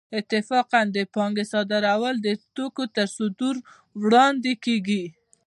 اتفاقاً د پانګې صادرول د توکو تر صدور وړاندې کېږي